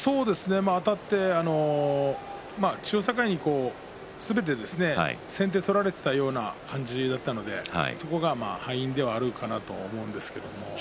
あたって千代栄にすべて先手を取られていたような感じだったのでそこが敗因ではあるかなと思うんですけど。